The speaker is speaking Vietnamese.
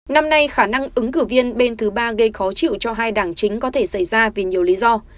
năm nay khả năng ứng cử viên bên thứ ba gây khó chịu cho hai đảng chính có thể xảy ra vì nhiều lý do